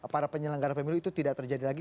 para penyelenggara pemilu itu tidak terjadi lagi